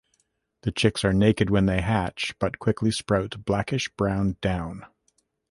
The chicks are naked when they hatch but quickly sprout blackish-brown down.